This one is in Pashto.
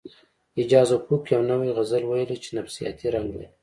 اعجاز افق یو نوی غزل ویلی چې نفسیاتي رنګ لري